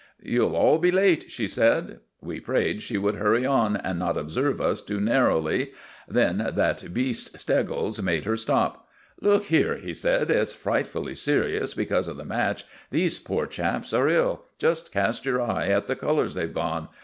"You'll all be late," she said. We prayed she would hurry on and not observe us too narrowly. Then that beast, Steggles, made her stop. "Look here," he said, "it's frightfully serious because of the match these poor chaps are ill just cast your eye at the colors they've gone.